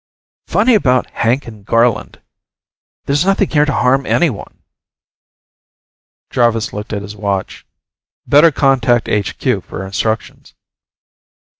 "Funny about Hank and Garland. There's nothing here to harm anyone." Jarvis looked at his watch. "Better contact HQ for instructions."